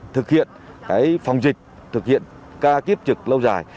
thực hiện phòng dịch thực hiện ca kiếp trực lâu dài